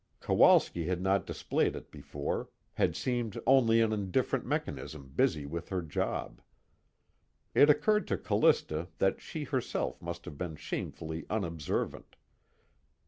Kowalski had not displayed it before, had seemed only an indifferent mechanism busy with her job. It occurred to Callista that she herself must have been shamefully unobservant.